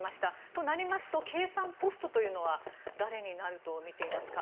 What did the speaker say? となりますと経産ポストというのは誰になると見ていますか。